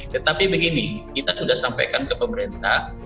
tetapi begini kita sudah sampaikan ke pemerintah